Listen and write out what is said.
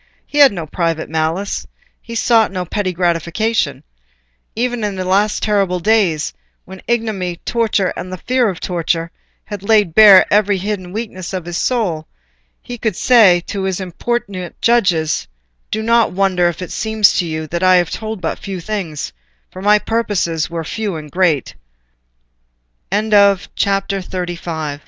He had no private malice—he sought no petty gratification. Even in the last terrible days, when ignominy, torture, and the fear of torture, had laid bare every hidden weakness of his soul, he could say to his importunate judges: "Do not wonder if it seems to you that I have told but few things; for my purposes were f